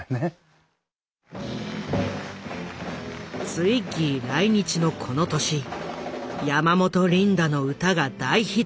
ツイッギー来日のこの年山本リンダの歌が大ヒット。